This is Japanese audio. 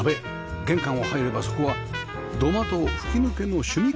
玄関を入ればそこは土間と吹き抜けの趣味空間